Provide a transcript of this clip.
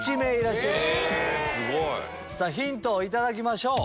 ヒントを頂きましょう。